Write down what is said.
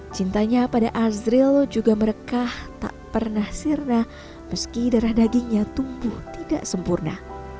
cintanya pada azril juga merekah tak pernah sirna meski darah dagingnya tumbuh tidak sempurna